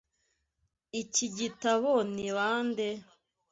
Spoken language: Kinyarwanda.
Iki gitabo ni bande?